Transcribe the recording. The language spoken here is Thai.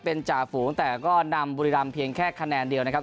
เป็นจ่าฝูงแต่ก็นำบุรีรำเพียงแค่คะแนนเดียวนะครับ